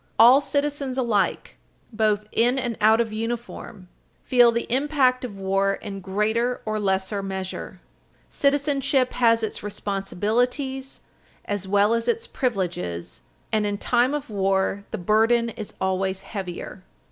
All citizens alike, both in and out of uniform, feel the impact of war in greater or lesser measure. Citizenship has its responsibilities, as well as its privileges, and, in time of war, the burden is always heavier.